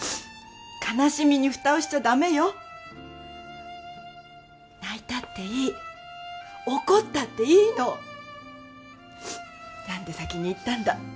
悲しみにフタをしちゃダメよ泣いたっていい怒ったっていいの「何で先に逝ったんだ！